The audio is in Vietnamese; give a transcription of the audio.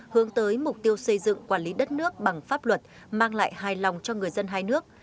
hướng tới mục tiêu xây dựng quản lý đất nước bằng pháp luật mang lại hài lòng cho người dân hai nước